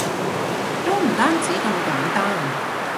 都唔止咁簡單